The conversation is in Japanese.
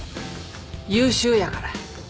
優秀やから。